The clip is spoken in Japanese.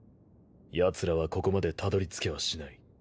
やつらはここまでたどりつけはしない。